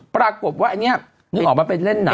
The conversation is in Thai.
ปรากฏว่าอันนี้นึกออกมาไปเล่นหนัง